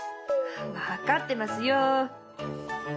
分かってますよ。